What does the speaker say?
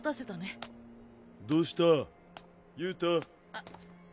あっ。